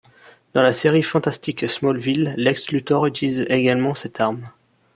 Dans la série fantastique Smallville Lex Luthor utilise également cette arme.